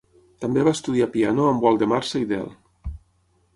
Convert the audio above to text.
També va estudiar piano amb Waldemar Seidel.